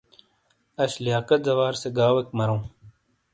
اش لیاقت زوار سے گاؤویک مرووں۔